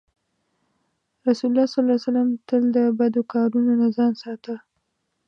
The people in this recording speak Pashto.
رسول الله ﷺ تل د بدو کارونو نه ځان ساته.